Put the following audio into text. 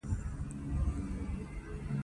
چنګلونه د افغانستان د فرهنګي فستیوالونو برخه ده.